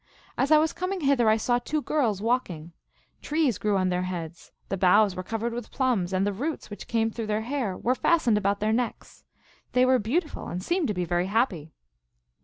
As I was coming hither I saw two girls walking. Trees grew on their heads ; the boughs were covered with plums, and the roots, which came through their hair, were fastened about their necks. They were beauti ful, and seemed to be very happy."